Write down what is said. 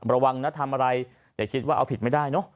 ระวังนะทำอะไรอย่าคิดว่าเอาผิดไม่ได้เนอะ